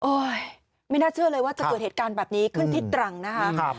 ไม่น่าเชื่อเลยว่าจะเกิดเหตุการณ์แบบนี้ขึ้นที่ตรังนะคะ